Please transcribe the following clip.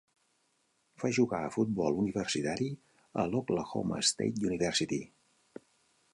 Va jugar a futbol universitari a la Oklahoma State University.